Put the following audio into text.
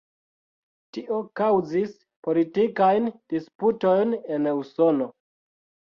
Tio kaŭzis politikajn disputojn en Usono.